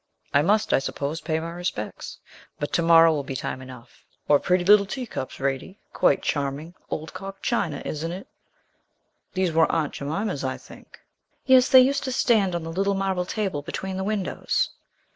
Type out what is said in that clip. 'I must, I suppose, pay my respects; but to morrow will be time enough. What pretty little tea cups, Radie quite charming old cock china, isn't it? These were Aunt Jemima's, I think.' 'Yes; they used to stand on the little marble table between the windows.'